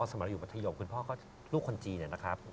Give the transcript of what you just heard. สำหรับอยู่ประธโชนคุณพ่อลูกคนจีนละครับ